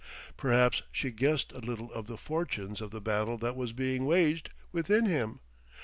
Perhaps she guessed a little of the fortunes of the battle that was being waged within him.